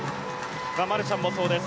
マルシャンもそうです